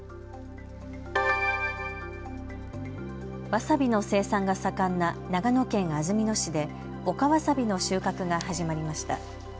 わさびの生産が盛んな長野県安曇野市で陸わさびの収穫が始まりました。